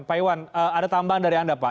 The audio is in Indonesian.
pak iwan ada tambahan dari anda pak